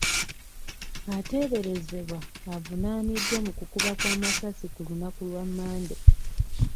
Ateeberezebwa avunaaniddwa mu kukuba kw'amasasi ku lunaku lwa Mande.